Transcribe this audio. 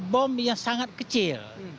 bom yang sangat kecil